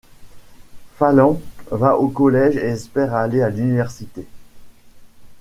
Falan va au collège et espère aller à l'université.